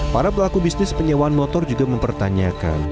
para pelaku bisnis penyewaan motor juga mempertanyakan